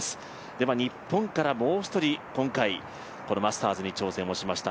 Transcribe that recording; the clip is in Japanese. では日本からもう１人、今回マスターズに挑戦しました